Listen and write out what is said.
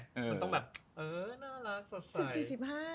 มันต้องแบบเออน่ารักสด๔๕บาท